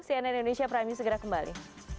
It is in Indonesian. cnn indonesia prime news segera kembali